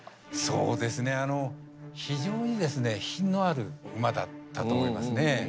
そうですねあの非常にですね品のある馬だったと思いますね。